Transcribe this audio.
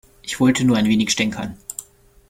Ich wollte nur ein wenig stänkern.